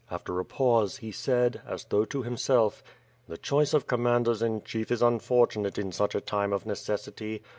After a pause he said, as though to himself. "The choice of commanders in chief is unfortunate in such a time of necessity.